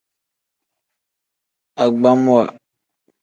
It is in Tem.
Agbamwa.